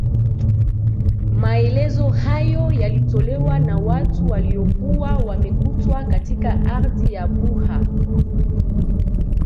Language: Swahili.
Maelezo hayo yalitolewa na watu waliokuwa wamekutwa katika ardhi ya Buha